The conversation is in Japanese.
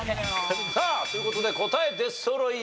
さあという事で答え出そろいました。